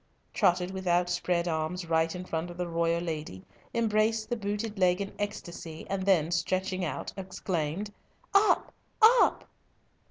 trotted with outspread arms right in front of the royal lady, embraced the booted leg in ecstasy, and then stretching out, exclaimed "Up! up!"